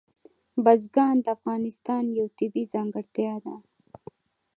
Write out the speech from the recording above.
بزګان د افغانستان یوه طبیعي ځانګړتیا ده.